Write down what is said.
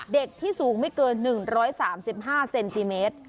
เด็กที่สูงไม่เกิน๑๓๕เซนติเมตร